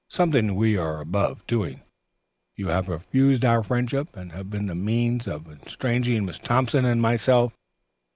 Something we are above doing. You have refused our friendship and have been the means of estranging Miss Thompson and myself.